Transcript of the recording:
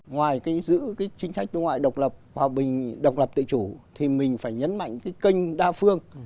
ngoài kênh giữ chính sách nước ngoại độc lập hòa bình độc lập tự chủ thì mình phải nhấn mạnh cái kênh đa phương